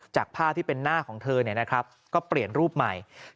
จากภาพที่เป็นหน้าของเธอเนี่ยนะครับก็เปลี่ยนรูปใหม่